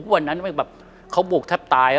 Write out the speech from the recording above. วันนั้นเขาบุกทัดตาย